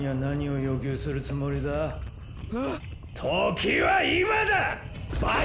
「時」は今だッ！